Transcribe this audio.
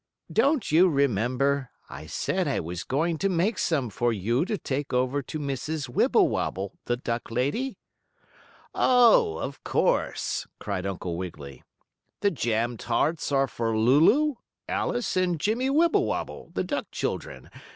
"Don't you remember, I said I was going to make some for you to take over to Mrs. Wibblewobble, the duck lady?" "Oh, of course!" cried Uncle Wiggily. "The jam tarts are for Lulu, Alice and Jimmie Wibblewobble, the duck children.